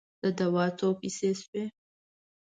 د دوا څو پیسې سوې؟